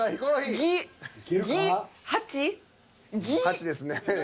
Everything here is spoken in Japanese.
８ですね。